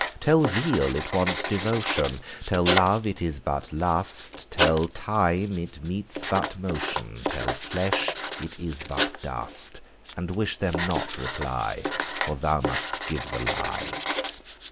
Tell zeal it wants devotion; Tell love it is but lust; Tell time it meets but motion; Tell flesh it is but dust: And wish them not reply, For thou must give the lie.